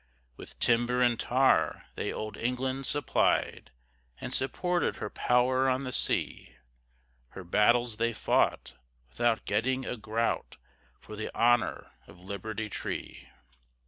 With timber and tar they Old England supplied, And supported her power on the sea; Her battles they fought, without getting a groat, For the honor of Liberty Tree.